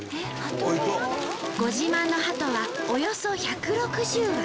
ご自慢のハトはおよそ１６０羽。